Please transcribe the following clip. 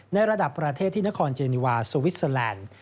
ระดับประเทศที่นครเจนิวาสวิสเตอร์แลนด์